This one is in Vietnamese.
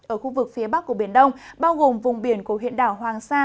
ở khu vực phía bắc của biển đông bao gồm vùng biển của huyện đảo hoàng sa